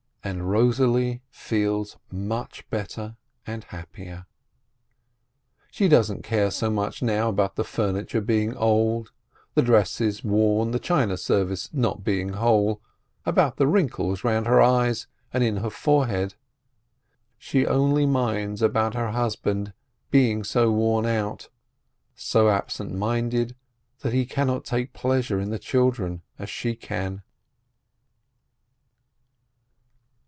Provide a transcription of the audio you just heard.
And Rosalie feels much better and happier. She doesn't care so much now about the furniture being old, the dresses worn, the china service not being whole, about the wrinkles round her eyes and in her forehead. She only minds about her husband's being so worn out, so absent minded that he cannot take pleasure in the children as she can.